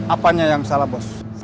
apanya yang salah bos